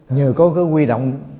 nhờ có cái quy động